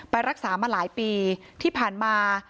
ไปรักษามาหลายปีที่ผ่านมา